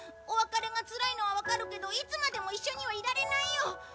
お別れがつらいのはわかるけどいつまでも一緒にはいられないよ。